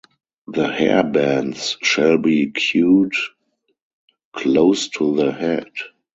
The hair-bands shall be queued close to the head.